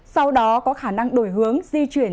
sau đó có khả năng đổi hướng di chuyển